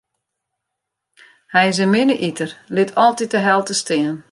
Hy is in minne iter, lit altyd de helte stean.